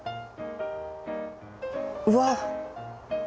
うわっ。